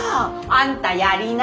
あんたやりな。